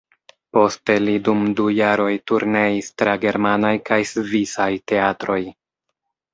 Poste li dum du jaroj turneis tra germanaj kaj svisaj teatroj.